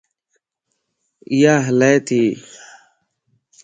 اِيا هلّا تي